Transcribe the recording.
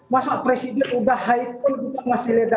masa presiden udah high